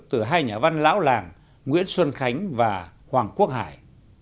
từ hai nhà văn lão làng nguyễn xuân khánh và hoàng quốc hải